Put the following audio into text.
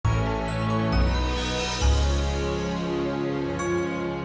sampai jumpa di video selanjutnya